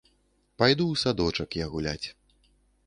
Пайду ў садочак я гуляць.